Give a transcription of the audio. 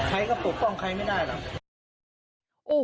ใครก็ปกป้องใครไม่ได้หรอก